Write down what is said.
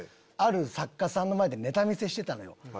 ある作家さんの前でネタ見せしてたのよ。